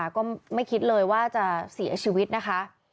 ก็ไม่คิดเลยว่าจะเสียชีวิตนะคะ